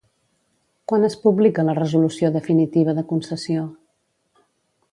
Quan es publica la Resolució definitiva de concessió?